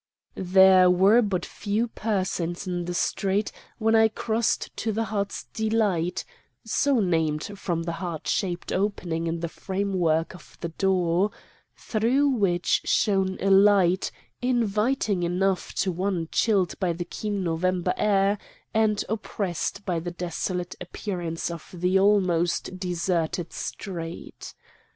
"There were but few persons in the street when I crossed to The Heart's Delight, so named from the heart shaped opening in the framework of the door, through which shone a light, inviting enough to one chilled by the keen November air and oppressed by the desolate appearance of the almost deserted street.